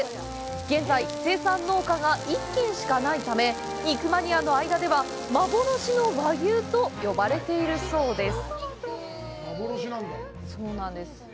現在、生産農家が１軒しかないため、肉マニアの間では「幻の和牛」と呼ばれているそうです。